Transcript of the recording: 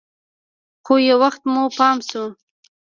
خو يو وخت مو پام سو.